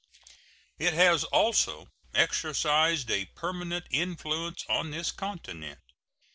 It has also exercised a permanent influence on this continent.